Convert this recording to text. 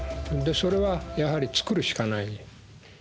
それはやはり作るしかない。